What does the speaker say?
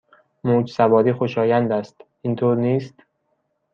موج سواری خوشایند است، اینطور نیست؟